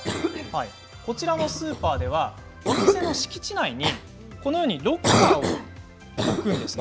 こちらのスーパーでは店の敷地内にロッカーを置くんです。